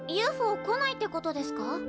ＵＦＯ来ないってことですか？